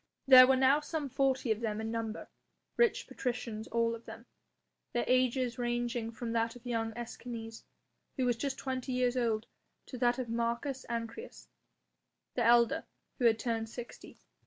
There were now some forty of them in number, rich patricians all of them, their ages ranging from that of young Escanes who was just twenty years old to that of Marcus Ancyrus, the elder, who had turned sixty.